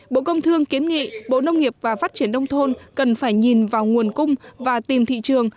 bộ công thương kiến nghị bộ nông nghiệp và phát triển nông thôn cần phải nhìn vào nguồn cung và tìm thị trường